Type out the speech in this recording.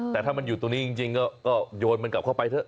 แต่ถ้ามันอยู่ตรงนี้จริงก็โยนมันกลับเข้าไปเถอะ